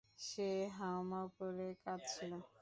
সে হাউমাউ করে কাঁদছিল।